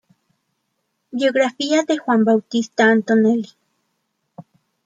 Biografía de Juan Bautista Antonelli